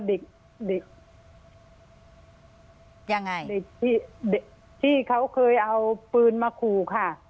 เด็กเด็กยังไงเด็กที่เด็กที่เขาเคยเอาปืนมาขู่ค่ะ